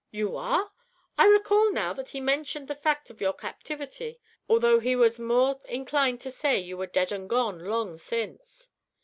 "You are! I recall now that he mentioned the fact of your captivity, although he was more inclined to say you were dead and gone long since."